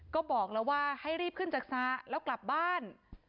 ก็บอกแล้วว่าให้รีบขึ้นจากสระแล้วกลับบ้าน